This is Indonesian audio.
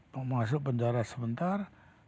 mau masuk penjara sebentar